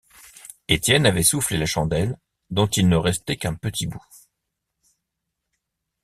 Étienne avait soufflé la chandelle, dont il ne restait qu’un petit bout.